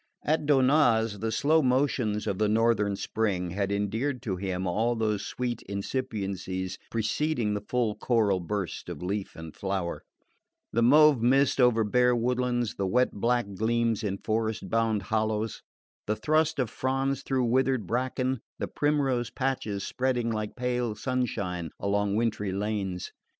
At Donnaz the slow motions of the northern spring had endeared to him all those sweet incipiencies preceding the full choral burst of leaf and flower: the mauve mist over bare woodlands, the wet black gleams in frost bound hollows, the thrust of fronds through withered bracken, the primrose patches spreading like pale sunshine along wintry lanes.